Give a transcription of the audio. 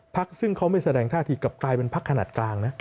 พักซึ่งเขาไม่แสดงท่าทีกลับกลายเป็นพักขนาดกลางนะ